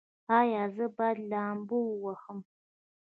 ایا زه باید لامبو ووهم؟